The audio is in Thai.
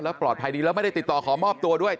ปลอดภัยดีแล้วไม่ได้ติดต่อขอมอบตัวด้วย